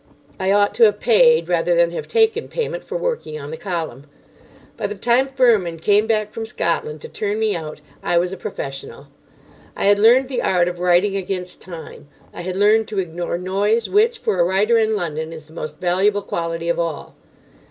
I ought to have paid rather than have taken payment for working on the column. By the time Fermin came back from Scotland to turn me out, I was a professional. I had learned the art of writing against time. I had learned to ignore noise, which, for a writer in London, is the most valuable quality of all.